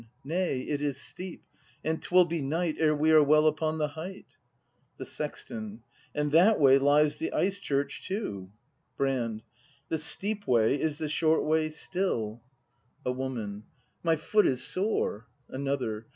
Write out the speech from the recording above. Nay, it is steep, and 'twill be night Ere we are well upon the height. The Sexton. And that way lies the Ice church too. Brand The steep way is the short way still. 268 BRAND [act v A Woman. My foot is sore! Another.